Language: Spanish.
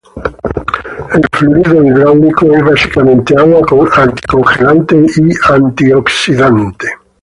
El fluido hidráulico es básicamente agua con anticongelante y antioxidante.